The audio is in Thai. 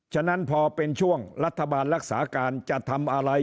ฉะนั้นพอเป็นช่วงรัฐบาลรักษาการจะทำอะไร